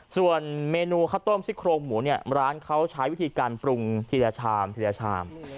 ส่วนเมนูข้าวต้มซิ่โครงหมูเนี่ยร้านเขาใช้วิธีการปรุงทีละชามทีละชาม